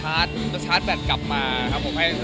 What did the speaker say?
ไม่คิดอะไรชาร์จแบ่นกลับมาครับผม